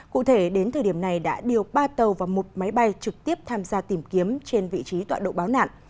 cụ thể đến thời điểm này đã điều ba tàu và một máy bay trực tiếp tham gia tìm kiếm trên vị trí tọa độ báo nạn